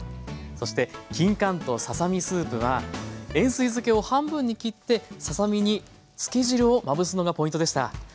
そしてきんかんとささ身スープは塩水漬けを半分に切ってささ身に漬け汁をまぶすのがポイントでした。